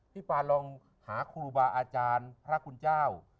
ปานลองหาครูบาอาจารย์พระคุณเจ้า